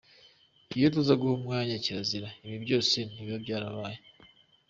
Iyo tuza guha umwanya kirazira, ibi byose ntibiba byarabaye.